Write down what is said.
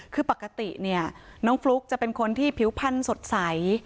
คือปกติเนี่ยน้องฟลุ๊กจะเป็นคนที่ผิวพันธุ์สดใส